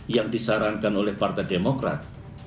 yang disarankan oleh partai demokrat